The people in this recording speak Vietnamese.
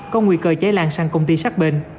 có nguy cơ cháy lan sang công ty sát bên